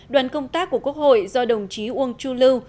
đoàn công tác của quốc hội do đồng chí uông chu lưu